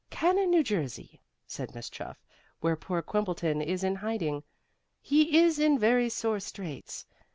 "Cana, New Jersey," said Miss Chuff, "where poor Quimbleton is in hiding. He is in very sore straits.